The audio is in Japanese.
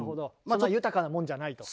そんな豊かなもんじゃないと。